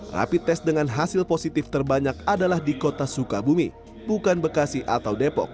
rapid test dengan hasil positif terbanyak adalah di kota sukabumi bukan bekasi atau depok